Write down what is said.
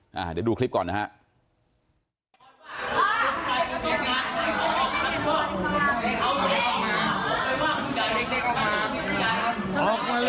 เดี๋ยวดูคลิปก่อนนะฮะ